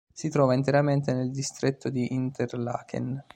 Si trova interamente nel distretto di Interlaken.